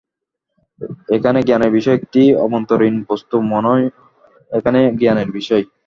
এখানে জ্ঞানের বিষয় একটি অভ্যন্তরীণ বস্তু, মনই এখানে জ্ঞানের বিষয়।